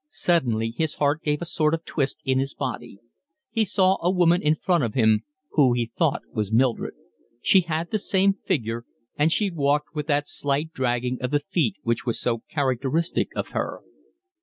Suddenly his heart gave a sort of twist in his body; he saw a woman in front of him who he thought was Mildred. She had the same figure, and she walked with that slight dragging of the feet which was so characteristic of her.